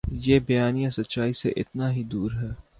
یہ بیانیہ سچائی سے اتنا ہی دور ہے۔